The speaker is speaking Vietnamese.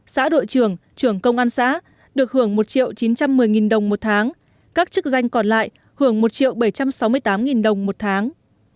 xã đội trưởng trưởng công an xã được hưởng một triệu chín trăm một mươi đồng một tháng các chức danh còn lại hưởng một triệu bảy trăm sáu mươi tám đồng một tháng